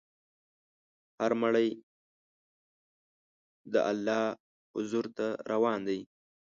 هر مړی د الله حضور ته روان دی.